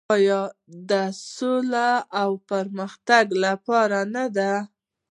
آیا د سولې او پرمختګ لپاره نه ده؟